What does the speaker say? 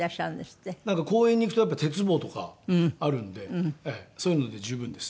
なんか公園に行くとやっぱ鉄棒とかあるんでそういうので十分です。